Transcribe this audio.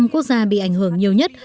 năm quốc gia bị ảnh hưởng nhiều nhất